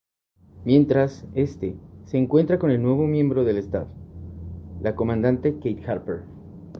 Mientras, este, se encuentra con el nuevo miembro del staff, la comandante Kate Harper.